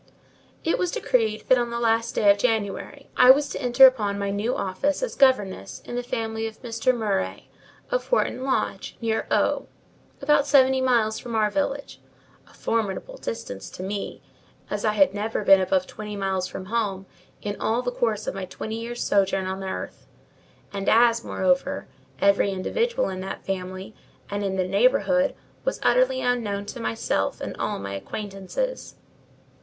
It was decreed that on the last day of January I was to enter upon my new office as governess in the family of Mr. Murray, of Horton Lodge, near O——, about seventy miles from our village: a formidable distance to me, as I had never been above twenty miles from home in all the course of my twenty years' sojourn on earth; and as, moreover, every individual in that family and in the neighbourhood was utterly unknown to myself and all my acquaintances.